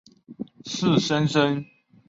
是莘莘学子成才的理想之地。